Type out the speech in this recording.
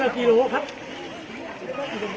เสียงด้วยครับ